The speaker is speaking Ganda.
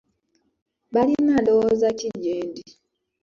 Balina ndowooza ki gyendi?